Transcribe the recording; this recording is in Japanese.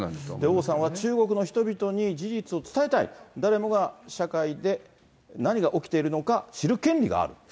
王さんは中国の人々に事実を伝えたい、誰もが社会で何が起きているのか知る権利がある。